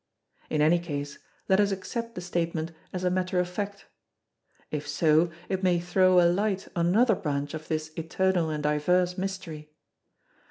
In any case let us accept the statement as a matter of fact. If so it may throw a light on another branch of this eternal and diverse mystery.